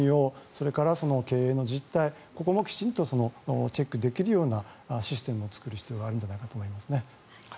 それから経営の実態もチェックできるようなシステムを作る必要があると思います。